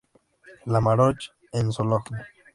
La Marolle-en-Sologne